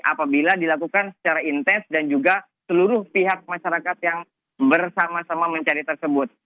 apabila dilakukan secara intens dan juga seluruh pihak masyarakat yang bersama sama mencari tersebut